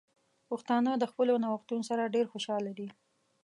پښتانه د خپلو نوښتونو سره ډیر خوشحال دي.